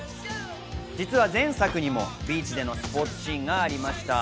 実は前作にもビーチでのスポーツシーンがありました。